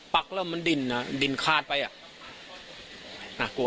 ปักแล้วมันดินอ่ะดินคาดไปอ่ะน่ากลัว